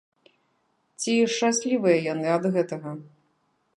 Ці шчаслівыя яны ад гэтага?